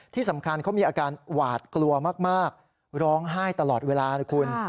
ที่สำคัญเขามีอาการหวาดกลัวมากร้องไห้ตลอดเวลานะคุณ